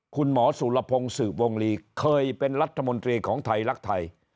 คุณหมอสุรพงศ์สืบวงลีเคยเป็นรัฐมนตรีของไทยรักไทย